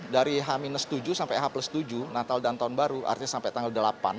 dari h tujuh sampai h tujuh natal dan tahun baru artinya sampai tanggal delapan